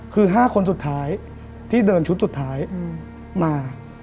คือ๕คนสุดท้ายที่เดินชุดสุดท้ายมา